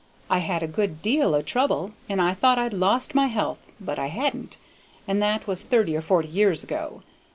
I had a good deal o' trouble, and I thought I'd lost my health, but I hadn't, and that was thirty or forty years ago.